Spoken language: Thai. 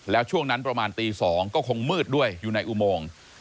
แล้วช่วงนั้นประมาณตี๒ก็คงมืดด้วยอยู่ในอุโมง